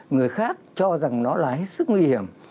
người khác cho rằng nó là hết sức nguy hiểm